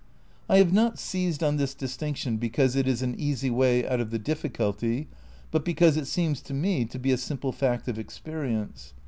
I have not seized on this distinction because it is an easy way out of the difficulty, but because it seems to me to be a simple fact of experience.